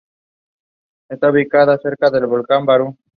Está ubicada cerca del volcán Barú.